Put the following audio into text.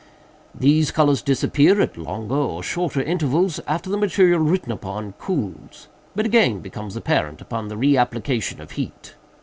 These colors disappear at longer or shorter intervals after the material written upon cools, but again become apparent upon the re application of heat.